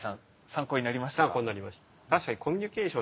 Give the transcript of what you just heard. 参考になりました。